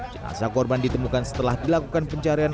jenazah korban ditemukan setelah dilakukan pencarian